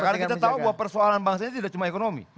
karena kita tahu bahwa persoalan bangsa ini tidak cuma ekonomi